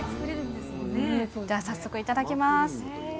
じゃあ早速いただきます。